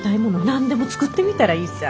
何でも作ってみたらいいさ。